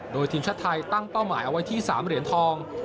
โดยทีมชาติไทยตั้งเป้าหมายเอาไว้ที่๓เหรียญทอง